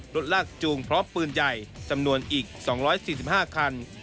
รถลากจูงพร้อมปืนใหญ่จำนวนอีก๒๔๕คัน